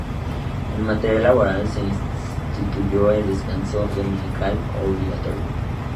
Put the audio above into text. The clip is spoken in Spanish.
En materia laboral, se instituyó el descanso dominical obligatorio.